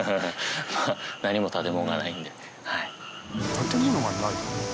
建物がない。